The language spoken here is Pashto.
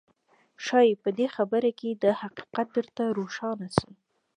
ښايي په دې خبره کې دا حقيقت درته روښانه شي.